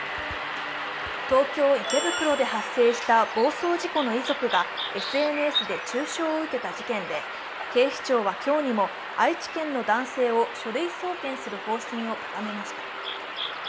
東京・池袋で発生した暴走事件でＳＮＳで中傷を受けた事件で警視庁は今日にも愛知県の男性を書類送検する方針を固めました。